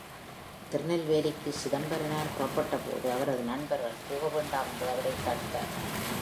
திருநெல்வேலிக்கு சிதம்பரனார் புறப்பட்டபோது அவரது நண்பர்கள் போக வேண்டாம் என்று அவரைத் தடுத்தார்கள்.